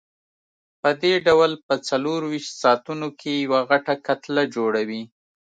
پدې ډول په څلورویشت ساعتونو کې یوه غټه کتله جوړوي.